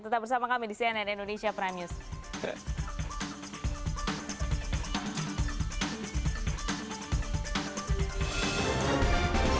tetap bersama kami di cnn indonesia prime news